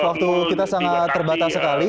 waktu kita sangat terbatas sekali